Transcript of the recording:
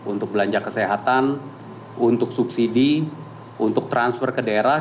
untuk belanja kesehatan untuk subsidi untuk transfer ke daerah